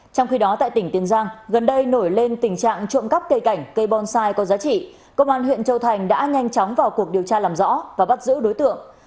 trong khi đó tại tỉnh tiền giang gần đây nổi lên tình trạng trộm cắp cây cảnh cây bonsai có giá trị công an huyện châu thành đã nhanh chóng vào cuộc điều tra làm rõ và bắt giữ đối tượng